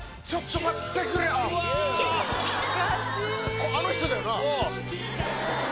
これあの人だよな！？